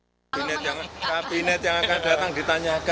apakah memang diperlukan dan apakah yang sekarang memang kurang gitu pak